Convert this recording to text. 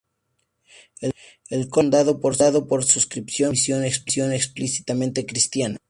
El college fue fundado por suscripción, con una misión explícitamente cristiana.